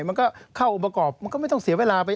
มันก็เข้าองค์ประกอบมันก็ไม่ต้องเสียเวลาไป